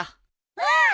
うん！